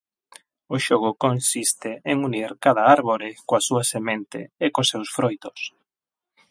O xogo consiste en unir cada árbore coa súa semente e cos seus froitos.